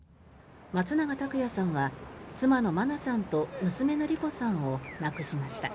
松永拓也さんは妻の真菜さんと娘の莉子さんを亡くしました。